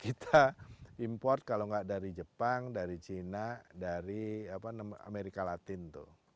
kita import kalau nggak dari jepang dari cina dari amerika latin tuh